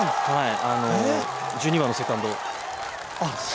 １２番のセカンド。